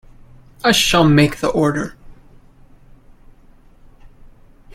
I shall make the order.